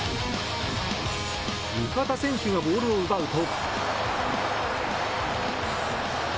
味方選手がボールを奪うと。